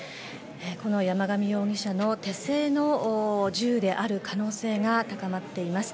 この山上容疑者の手製の銃である可能性が高まっています。